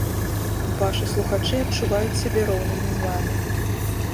Вашы слухачы адчуваюць сябе роўнымі з вамі.